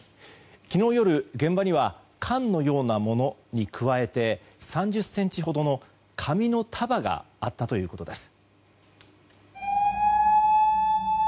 昨日夜、現場には缶のようなものに加えて３０ｃｍほどの紙の束があったということです。